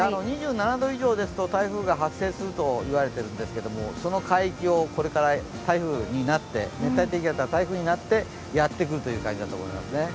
２７度以上ですと台風が発生すると言われているんですけれども、その海域をこれから熱帯低気圧が台風になってやってくるという感じだと思いますね。